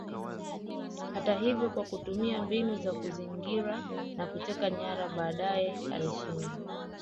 Hata hivyo kwa kutumia mbinu za kuzingira na kuteka nyara baadaye alishindwa